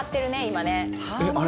今ね。